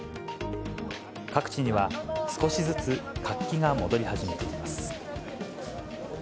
各地には少しずつ活気が戻り始めています。